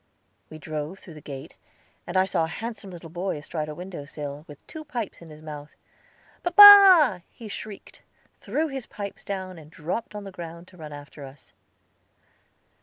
We drove through the gate, and saw a handsome little boy astride a window sill, with two pipes in his mouth, "Papa!" he shrieked, threw his pipes down, and dropped on the ground, to run after us.